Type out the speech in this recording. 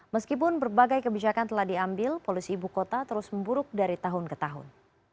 meskipun berbagai kebijakan telah diambil polisi ibu kota terus memburuk dari tahun ke tahun